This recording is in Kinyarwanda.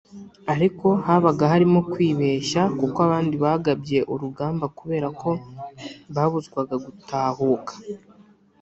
Ariko habaga harimo kwibeshya kuko abandi bagabye urugamba kubera ko babuzwaga gutahuka